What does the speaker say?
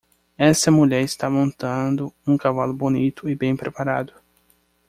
Esta mulher está montando um cavalo bonito e bem preparado.